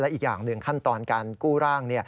อีกอย่างหนึ่งขั้นตอนการกู้ร่าง